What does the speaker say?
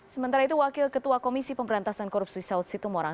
sementara itu wakil ketua komisi pemperintasan korupsi saud situ morang